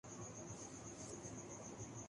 اسلام پوری بنی نوع انسان کے لیے پیغام ہدایت ہے۔